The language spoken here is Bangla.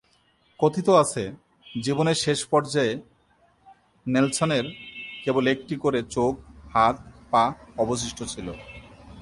কথিত আছে, জীবনের শেষ পর্যায়ে নেলসনের কেবল একটি করে চোখ, হাত, পা অবশিষ্ট ছিল।